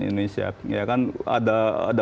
indonesia ya kan ada